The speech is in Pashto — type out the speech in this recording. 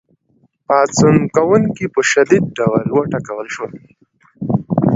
پاڅون کوونکي په شدید ډول وټکول شول.